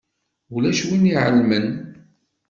Ulac win i iɛelmen.